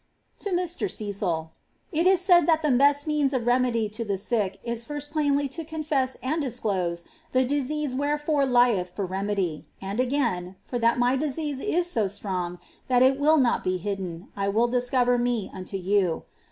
To Mr. Cecil.' ■* It ii> sai<l that tlie best means of rcmcily to the sick is first plainly to confesi and discloiic the dis«*ase wherefore lieth for remedy; and again, for that my di»> esse is Mt strong that it will not be hidden, I will discover me unto you.